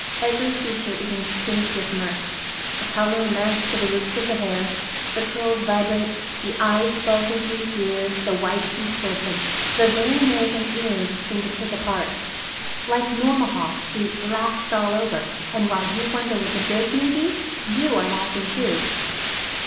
Every feature is instinct with mirth; the color mounts to the roots of the hair; the curls vibrate; the eyes sparkle through tears; the white teeth glisten; the very nose and ears seem to take a part; like Nourmahal, she "laughs all over," and while you wonder what the joke may be, you are laughing too.